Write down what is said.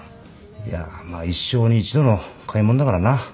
いやまあ一生に一度の買い物だからな。